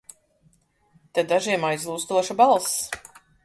Te dažiem aizlūstoša balss!